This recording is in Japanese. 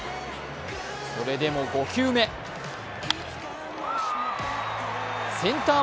それでも５球目センター